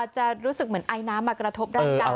จะรู้สึกเหมือนไอน้ำมากระทบร่างกาย